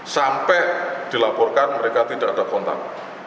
sampai dilaporkan mereka tidak ada kontak